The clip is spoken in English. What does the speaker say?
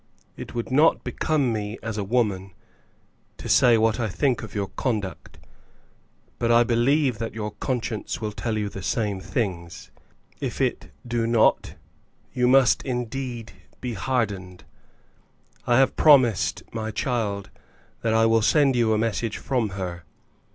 It would not become me as a woman to say what I think of your conduct, but I believe that your conscience will tell you the same things. If it do not, you must, indeed, be hardened. I have promised my child that I will send to you a message from her.